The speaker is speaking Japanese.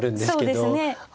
そうですね。